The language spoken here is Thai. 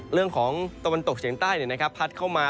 เรื่องของตะวันตกเฉียงใต้พัดเข้ามา